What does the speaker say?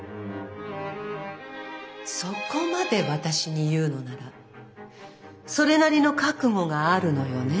そこまで私に言うのならそれなりの覚悟があるのよね。